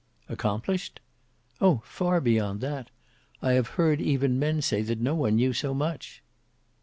"Accomplished?" "Oh! far beyond that; I have heard even men say that no one knew so much."